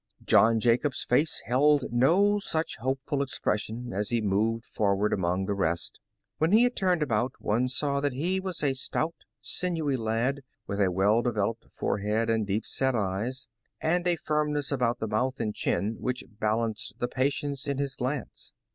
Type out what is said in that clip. John Jacob's face held no such hopeful expression as he moved forward among the rest. When he had turned about, one saw that he was a stout, sinewy lad, with a well developed forehead and deep set eyes, and a firmnos"^ about the mouth and chin which balanced the patience in his glance.